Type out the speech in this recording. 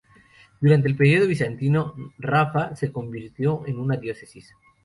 Durante el periodo bizantino, Rafah se convirtió en una diócesis.